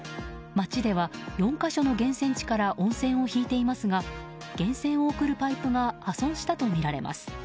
街では４か所の源泉地から温泉を引いていますが源泉を送るパイプが破損したとみられます。